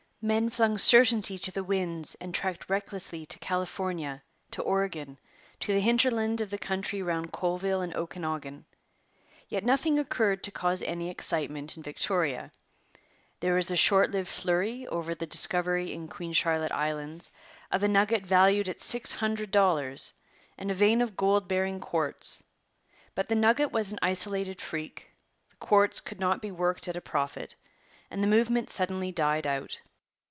Men flung certainty to the winds and trekked recklessly to California, to Oregon, to the hinterland of the country round Colville and Okanagan. Yet nothing occurred to cause any excitement in Victoria. There was a short lived flurry over the discovery in Queen Charlotte Islands of a nugget valued at six hundred dollars and a vein of gold bearing quartz. But the nugget was an isolated freak; the quartz could not be worked at a profit; and the movement suddenly died out.